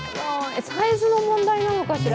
サイズの問題なのかしら